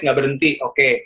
nggak berhenti oke